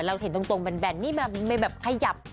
เราเห็นตรงแบนมันแบบขยับ